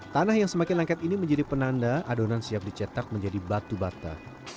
tanah yang semakin lengket ini menjadi penanda adonan siap dicetak menjadi batu bata